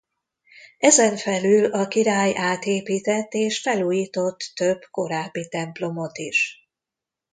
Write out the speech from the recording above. Ezen felül a király átépített és felújított több korábbi templomot is.